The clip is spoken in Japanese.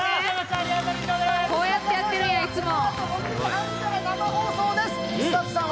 こうやってやってるんや、いつも。